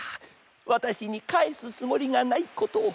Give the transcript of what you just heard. わたしにかえすつもりがないことを。